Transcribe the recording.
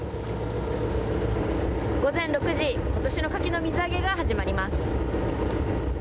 午前６時ことしのかきの水揚げが始まります。